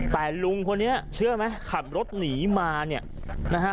แต่ลุงคนนี้เชื่อไหมขับรถหนีมาเนี่ยนะฮะ